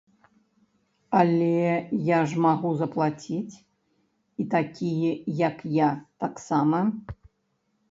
Але я ж магу заплаціць, і такія, як я, таксама.